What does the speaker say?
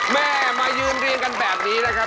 แม่มายืนเรียงกันแบบนี้นะครับ